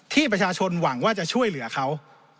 ที่ประชาชนหวังว่าจะช่วยเหลือเขา